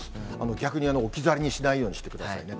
逆に置き去りにしないようにしてくださいね。